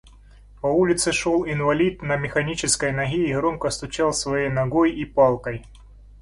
По улице шел инвалид на механической ноге и громко стучал своей ногой и палкой.